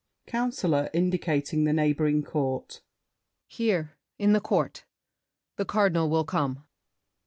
COUNCILOR (indicating the neighboring court). Here in the court. The Cardinal will come.